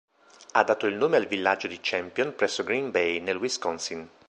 Ha dato il nome al villaggio di Champion presso Green Bay, nel Wisconsin.